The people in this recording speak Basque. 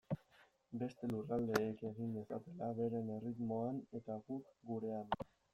Beste lurraldeek egin dezatela beren erritmoan eta guk gurean.